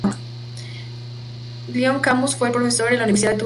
Giulio Camus fue profesor en la Universidad de Turín.